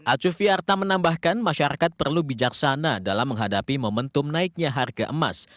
acu fiarta menambahkan masyarakat perlu bijaksana dalam menghadapi momentum naiknya harga emas